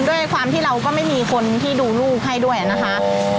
ด้วยความที่เราก็ไม่มีคนที่ดูลูกให้ด้วยนะคะ